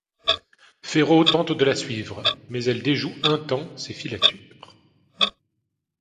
Ferrot tente de la suivre, mais elle déjoue un temps ses filatures.